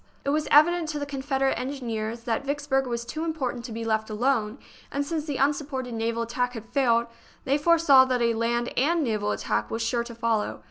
It was evident to the Confederate engineers that Vicksburg was too important to be left alone, and since the unsupported naval attack had failed, they foresaw that a land and naval attack was sure to follow.